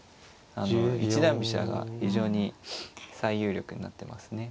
あの一段飛車が非常に最有力になってますね。